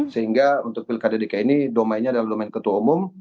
sehingga untuk pilkada dki ini domainnya adalah domain ketua umum